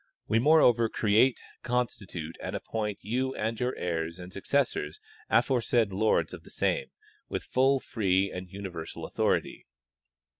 We moreover create, constitute and appoint you and your heirs and successors aforesaid lords of the same, with full, free and universal authority.